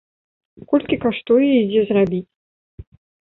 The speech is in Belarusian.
Колькі каштуе і дзе зрабіць?